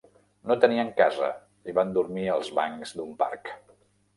No tenien casa i van dormir als bancs d'un parc.